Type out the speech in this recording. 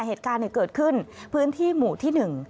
เหตุการณ์เกิดขึ้นพื้นที่หมู่ที่หนึ่ง